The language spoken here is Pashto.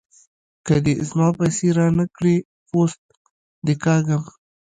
که دې زما پيسې را نه کړې؛ پوست دې کاږم.